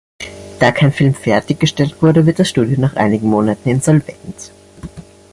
Da kein Film fertiggestellt wurde, wird das Studio nach einigen Monaten insolvent.